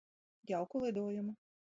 Jauku lidojumu.